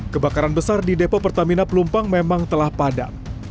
kebakaran besar di depo pertamina pelumpang memang telah padam